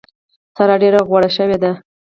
سارا ډېره غوړه شوې ده.